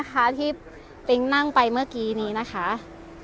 หลายคนบอกว่าอยากดูข้างนอกด้วย